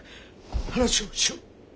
話をしよう。